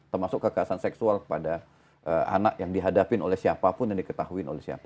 termasuk kekerasan seksual kepada anak yang dihadapin oleh siapapun yang diketahui oleh siapa